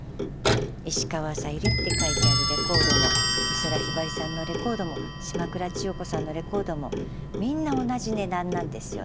石川さゆりって書いてあるレコードも美空ひばりさんのレコードも島倉千代子さんのレコードもみんな同じ値段なんですよ。